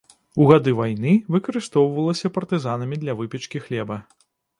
У гады вайны выкарыстоўвалася партызанамі для выпечкі хлеба.